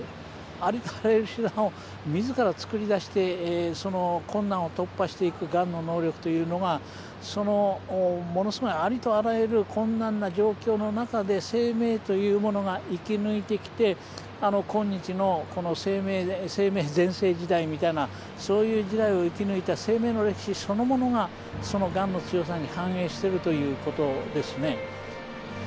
ありとあらゆる手段を自ら作り出して困難を突破していくがんの能力というのがありとあらゆる困難な状況の中で生命というものが生き抜いてきて今日の生命全盛時代みたいなそういう時代を生き抜いた生命の歴史そのものががんの強さに反映しているということですね。